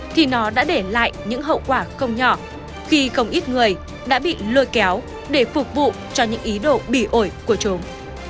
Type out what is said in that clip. thì nó đã để lại những hậu quả không nhỏ khi không ít người đã bị lôi kéo để phục vụ cho những ý đồ bị ổi của chúng